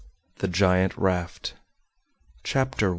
THE GIANT RAFT CHAPTER I.